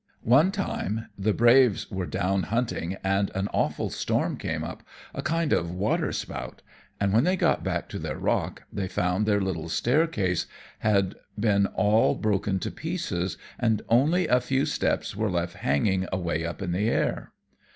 "One time the braves were down hunting and an awful storm came up a kind of waterspout and when they got back to their rock they found their little staircase had been all broken to pieces, and only a few steps were left hanging away up in the air.